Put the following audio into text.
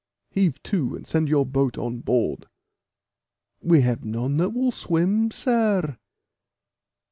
"Heave to, and send your boat on board." "We have none that will swim, sir."